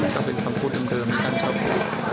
ก็เป็นคำพูดอันเดิมท่านชมพูด